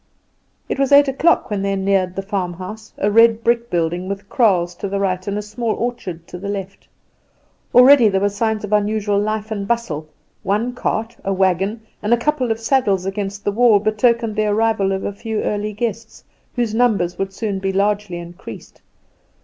It was eight o'clock when they neared the farmhouse: a red brick building, with kraals to the right and a small orchard to the left. Already there were signs of unusual life and bustle: one cart, a wagon, and a couple of saddles against the wall betokened the arrival of a few early guests, whose numbers would soon be largely increased.